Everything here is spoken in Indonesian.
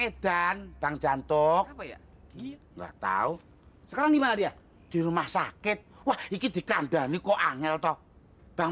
edan bang jantok nggak tahu sekarang dimana dia di rumah sakit wah ini di kandang niko angel toh bang